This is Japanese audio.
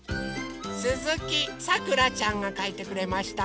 すずきさくらちゃんがかいてくれました。